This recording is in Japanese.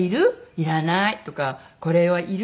「いらない」とか「これはいる？」